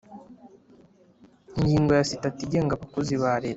Ingingo ya Sitati igenga abakozi bareta